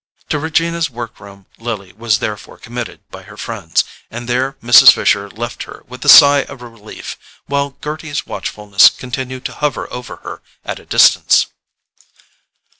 To Regina's work room Lily was therefore committed by her friends, and there Mrs. Fisher left her with a sigh of relief, while Gerty's watchfulness continued to hover over her at a distance.